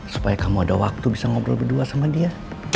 supaya kamu ada waktu bisa ngobrol berdua sama dia